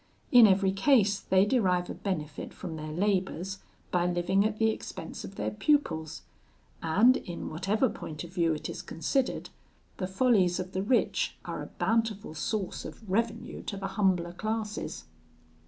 In every case they derive a benefit from their labours by living at the expense of their pupils; and, in whatever point of view it is considered, the follies of the rich are a bountiful source of revenue to the humbler classes.